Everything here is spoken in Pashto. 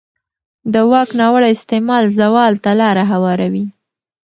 د واک ناوړه استعمال زوال ته لاره هواروي